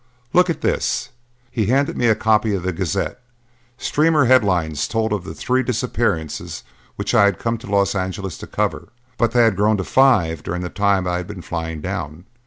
"Look at this." He handed me a copy of the Gazette. Streamer headlines told of the three disappearances which I had come to Los Angeles to cover, but they had grown to five during the time I had been flying down.